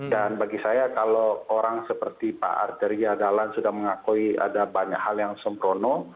dan bagi saya kalau orang seperti pak ardhiri adalan sudah mengakui ada banyak hal yang semprono